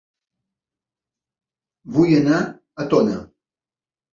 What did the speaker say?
Vull anar a Tona